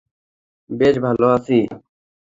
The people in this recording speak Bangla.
বেশ ভালো আছি।